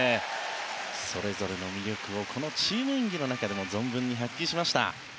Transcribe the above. それぞれの魅力をこのチーム演技の中でも存分に発揮しました。